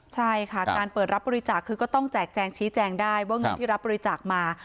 ใช่ค่ะการเปิดรับบริจาคคือก็ต้องแจกแจงชี้แจงได้ว่าเงินที่รับบริจาคมา